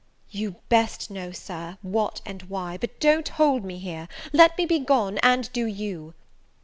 "You best know, Sir, what and why: but don't hold me here, let me be gone; and do you!"